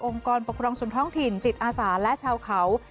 กรปกครองส่วนท้องถิ่นจิตอาสาและชาวเขา